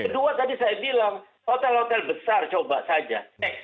kedua tadi saya bilang hotel hotel besar coba saja